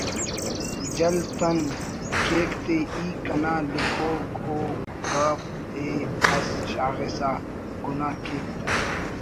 ”جل تن“ کیک تے ای ”کنا“ لکھو او ”گ“ ”ہ“ اس شاغسا ”گناہ“ کیک تے